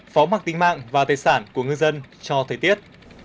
phó mặt tính mạng và tài sản của ngư dân cho thời tiết